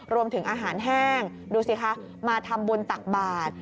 รวมถึงอาหารแห้งดูสิคะมาทำบุญตักบาท